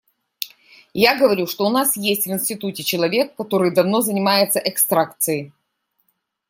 Я говорю, что у нас есть в институте человек, который давно занимается экстракцией.